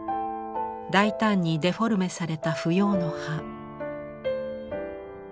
大胆にデフォルメされた芙蓉の葉。